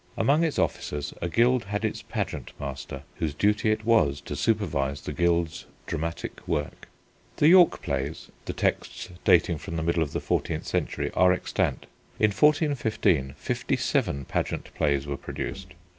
Among its officers a guild had its pageant master, whose duty it was to supervise the guild's dramatic work. The York plays, the texts dating from the middle of the fourteenth century, are extant. In 1415 fifty seven pageant plays were produced.